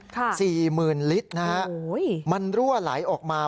ค่ะโอ้โฮสี่หมื่นลิตรนะครับมันรั่วไหลออกมา